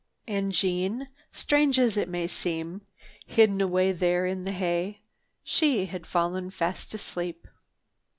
And Jeanne? Strange as it may seem, hidden away there in the hay, she had fallen fast asleep.